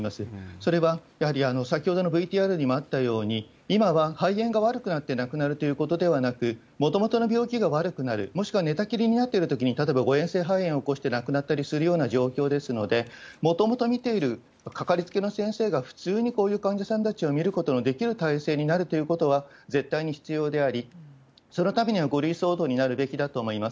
それは、やはり先ほどのＶＴＲにもあったように、今は肺炎が悪くなって亡くなるということではなく、もともとの病気が悪くなる、もしくは寝たきりになってるときに、例えば誤えん性肺炎を起こして亡くなったりするような状況ですので、もともと診ている掛かりつけの先生が、普通にこういう患者さんたちを診ることのできる体制になるということは、絶対に必要であり、そのためには５類相当になるべきだと思います。